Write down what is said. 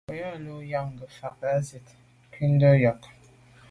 Bwɔ́ŋkə̂’ lû nyágə̀ fáŋ â zît jū ncùndá ŋkɔ̀k.